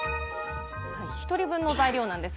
１人分の材料です。